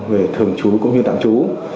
về thường trú cũng như tạm trú